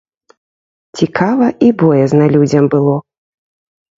Цікава і боязна людзям было.